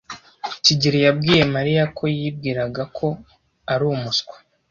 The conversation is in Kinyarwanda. kigeli yabwiye Mariya ko yibwiraga ko ari umuswa.